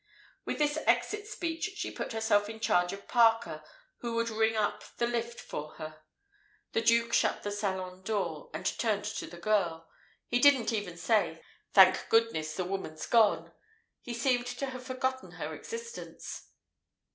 With this exit speech she put herself in charge of Parker, who would ring up the lift for her. The Duke shut the salon door, and turned to the girl. He didn't even say "Thank goodness, the woman's gone!" He seemed to have forgotten her existence.